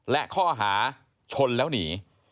และข้อหาชนแล้วหนี